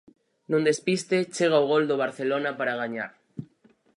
Nun despiste, chega o gol do Barcelona para gañar.